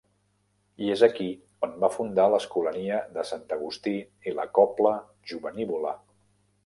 I és aquí on va fundar l'Escolania de Sant Agustí i la Cobla Jovenívola.